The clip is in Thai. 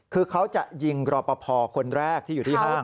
คือเขาจะยิงรอปภคนแรกที่อยู่ที่ห้าง